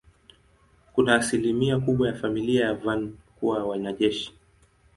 Kuna asilimia kubwa ya familia ya Van kuwa wanajeshi.